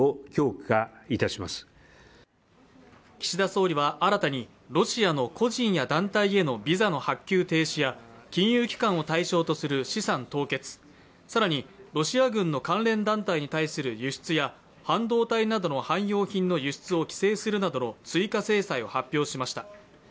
岸田総理は新たにロシアの個人や団体へのビザの発給停止や金融機関を対象とする資産凍結、更に、ロシア軍の関連団体に対する輸出や半導体などの汎用品の輸出を規制するなどの追加制裁を発表しました。